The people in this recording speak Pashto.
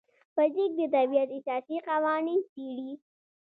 فزیک د طبیعت اساسي قوانین څېړي.